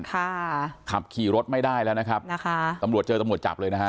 ขับขี่รถไม่ได้แล้วนะครับตำรวจเจอตำรวจจับเลยนะฮะ